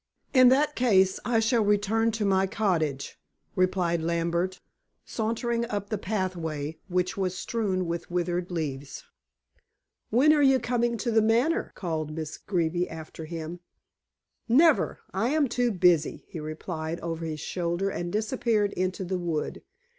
"In that case, I shall return to my cottage," replied Lambert, sauntering up the pathway, which was strewn with withered leaves. "When are you coming to The Manor?" called Miss Greeby after him. "Never! I am too busy," he replied over his shoulder and disappeared into the wood.